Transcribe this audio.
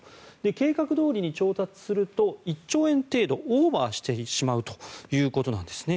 計画どおりに調達すると１兆円程度オーバーしてしまうということなんです。